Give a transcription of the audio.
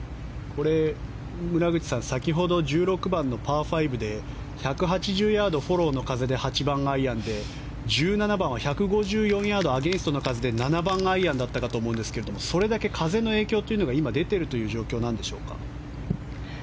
村口さん先ほど１６番、パー５で１８０ヤードフォローの風で８番アイアンで１７番は１５４ヤードアゲンストの風で７番アイアンだったかと思うんですけれどもそれだけ風の影響が今、出ている状況でしょうか？